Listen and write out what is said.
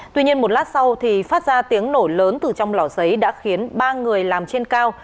tuy nhiên một lát sau thì phát ra tiếng nổ lớn từ trong lò xấy đã khiến ba người làm trên cao